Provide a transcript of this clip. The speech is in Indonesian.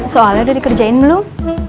soalnya udah dikerjain belum